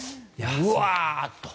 うわーっと。